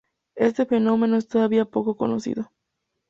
Este fenómeno es todavía poco conocido.